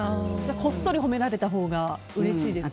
こっそり褒められたほうがうれしいですか？